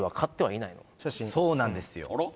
そうなんですよあら？